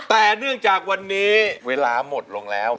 แต่เนื่องจากวันนี้เวลาหมดลงแล้ว